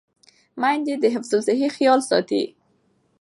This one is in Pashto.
میندې د حفظ الصحې خیال ساتي.